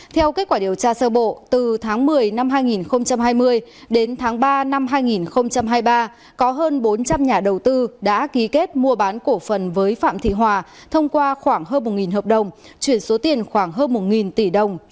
theo kết quả điều tra sơ bộ từ tháng một mươi năm hai nghìn hai mươi đến tháng ba năm hai nghìn hai mươi ba có hơn bốn trăm linh nhà đầu tư đã ký kết mua bán cổ phần với phạm thị hòa thông qua khoảng hơn một hợp đồng chuyển số tiền khoảng hơn một tỷ đồng